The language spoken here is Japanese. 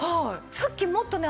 さっきもっとね